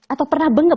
atau pernah bengep